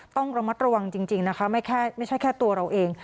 ต้องระมัดระวังจริงนะคะไม่ใช่แค่ตัวเราเอง